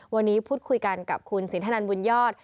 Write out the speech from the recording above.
วันนี้พูดคุยกันกับคุณสินทนันบุญยอด